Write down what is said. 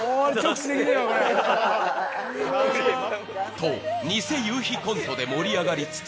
と、ニセ夕日コントで盛り上がりつづせ